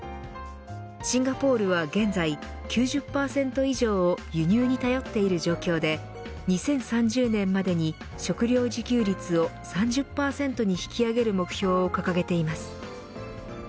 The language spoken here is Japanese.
シンガポールは現在９０％以上を輸入に頼っている状況で２０３０年までに食糧自給率を３０％に引き上げる目標を掲げています。